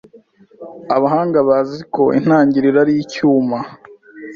Abahanga bazi ko intangiriro ari icyuma